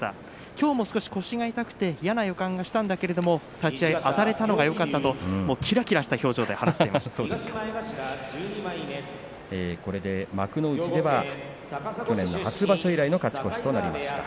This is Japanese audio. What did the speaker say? きょうも少し腰が痛くて嫌な予感がしたんだけれども立ち合いあたれたのがよかったときらきらした表情でこれで幕内では去年の初場所の以来の勝ち越しとなりました